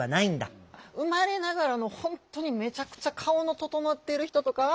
生まれながらの本当にめちゃくちゃ顔の整ってる人とかは。